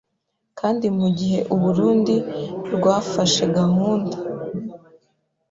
kandi mu gihe u Burunndi rwafashe gahunda